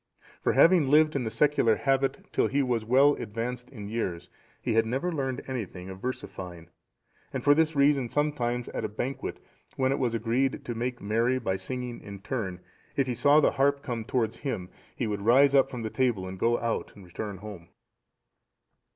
For having lived in the secular habit till he was well advanced in years, he had never learned anything of versifying; and for this reason sometimes at a banquet, when it was agreed to make merry by singing in turn, if he saw the harp come towards him, he would rise up from table and go out and return home.